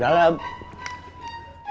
udah jalan suno